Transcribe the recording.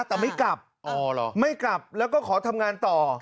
แต่ไม่กลับไม่กลับแล้วก็ขอทำงานต่อ